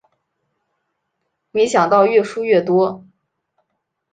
没想到越输越多